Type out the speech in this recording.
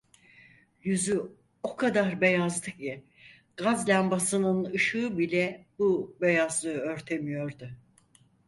Yüzü o kadar beyazdı ki, gaz lambasının ışığı bile bu beyazlığı örtemiyordu.